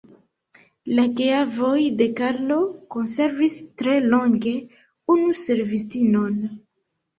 La geavoj de Karlo konservis tre longe unu servistinon.